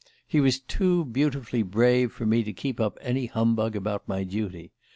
"He was too beautifully brave for me to keep up any humbug about my duty.